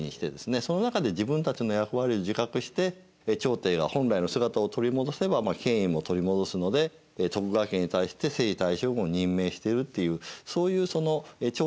その中で自分たちの役割を自覚して朝廷が本来の姿を取り戻せば権威も取り戻すので徳川家に対して征夷大将軍を任命しているっていう。